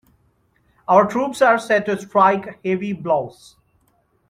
Our troops are set to strike heavy blows.